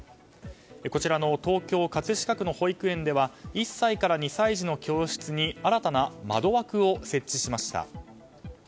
こちらの東京・葛飾区の保育園では１歳から２歳児の教室に新たな窓枠を設置しました。